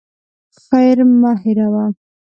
خير مه هېروه.